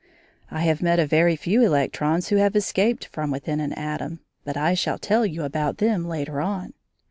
I have met a very few electrons who have escaped from within an atom, but I shall tell you about them later on.